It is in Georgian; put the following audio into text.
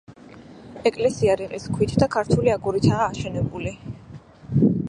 ეკლესია რიყის ქვით და ქართული აგურითაა აშენებული.